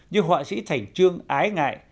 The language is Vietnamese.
như họa sĩ thành trương ái ngại